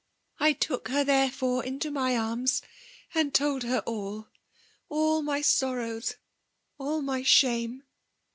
I took her, liiezelbre^ into my ams^ and told her all, — aUl my sorrows^, all my shame